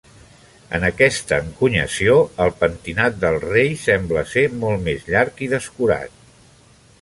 En aquesta encunyació, el pentinat del rei sembla ser molt més llarg i descurat.